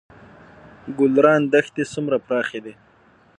ګلران دښتې څومره پراخې دي؟